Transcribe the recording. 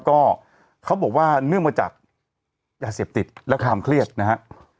ก็เขาบอกว่าเนื่องมาจากยาเสพติดและความเครียดนะฮะ